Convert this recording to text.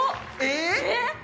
えっ？